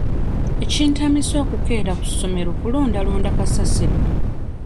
Ekintamisa okukeera ku ssomero kulondalonda kasasiro.